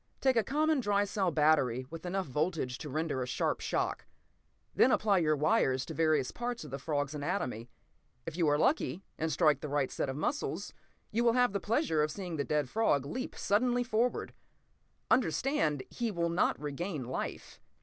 "Take a common dry cell battery with enough voltage to render a sharp shock. Then apply your wires to various parts of the frog's anatomy. If you are lucky, and strike the right set of muscles, youwill have the pleasure of seeing a dead frog leap suddenly forward. Understand, he will not regain life.